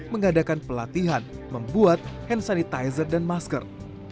mengadakan pelatihan membuat hand sanitizer dan masker